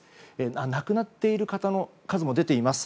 亡くなっている方の数字も出ています。